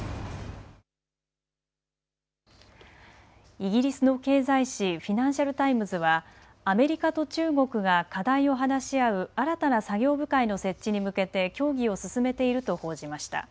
イギリスの経済紙、フィナンシャル・タイムズはアメリカと中国が課題を話し合う新たな作業部会の設置に向けて協議を進めていると報じました。